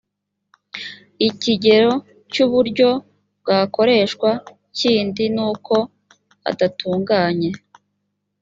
ikigero cy uburyo bwakoreshwa kindi ni uko adatunganye